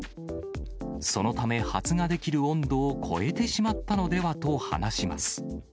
そのため、発芽できる温度を超えてしまったのではと話します。